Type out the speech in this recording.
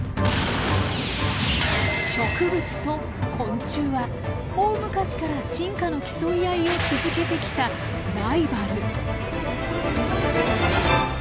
植物と昆虫は大昔から進化の競い合いを続けてきたライバル！